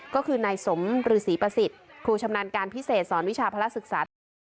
ก็คือนายสมหรือศรีประสิทธิ์ครูชำนาญการพิเศษสอนวิชาพระศึกษา